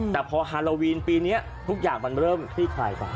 แต่พอฮาโลวีนปีนี้ทุกอย่างมันเริ่มคลี่คลายไป